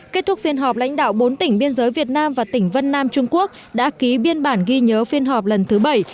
kết thúc phiên họp lãnh đạo bốn tỉnh biên giới việt nam và tỉnh vân nam trung quốc đã ký biên bản ghi nhớ phiên họp lần thứ bảy